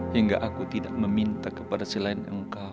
hingga aku tidak meminta kepada selain engkau